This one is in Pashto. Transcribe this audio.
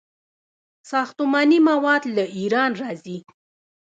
ساختماني مواد له ایران راځي.